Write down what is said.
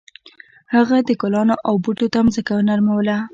هغه د ګلانو او بوټو ته ځمکه نرموله.